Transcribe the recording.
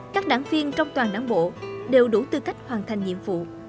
các đảng viên trong toàn đảng bộ đều đủ tư cách hoàn thành nhiệm vụ